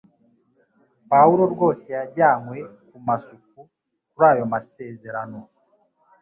Pawulo rwose yajyanywe kumasuku kuri ayo masezerano